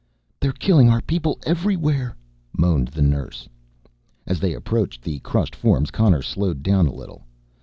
"They're killing our people everywhere," moaned the nurse. As they approached the crushed forms, Connor slowed down a little.